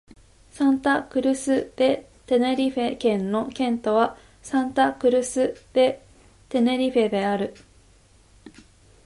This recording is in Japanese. サンタ・クルス・デ・テネリフェ県の県都はサンタ・クルス・デ・テネリフェである